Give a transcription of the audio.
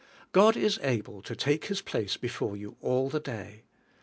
God is able to take His place before you all the day.